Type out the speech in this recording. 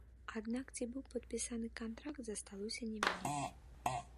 Аднак ці быў падпісаны кантракт засталося невядома.